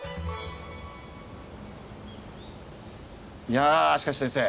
いやしかし先生。